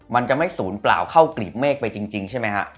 มันจะไม่ศูนย์เปล่าเข้ากลีบเมฆไปจริงใช่ไหมฮะ